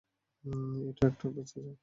এই, ওই ট্রাকটার পিছে যা।